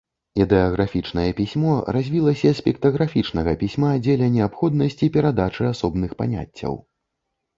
Ідэаграфічнае пісьмо развілася з піктаграфічнага пісьма дзеля неабходнасці перадачы асобных паняццяў.